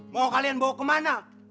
mau kalian bawa kemana